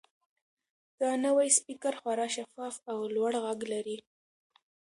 دا نوی سپیکر خورا شفاف او لوړ غږ لري.